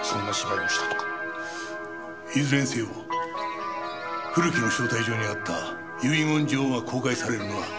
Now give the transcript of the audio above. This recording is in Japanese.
いずれにせよ古木の招待状にあった遺言状が公開されるのは明日だ。